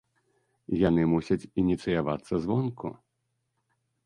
Яны мусяць ініцыявацца звонку.